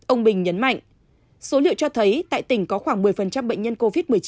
ông bình nhấn mạnh số liệu cho thấy tại tỉnh có khoảng một mươi bệnh nhân covid một mươi chín